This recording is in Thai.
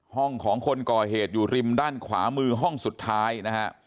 ของคนก่อเหตุอยู่ริมด้านขวามือห้องสุดท้ายนะฮะ